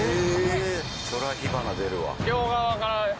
そりゃ火花出るわ。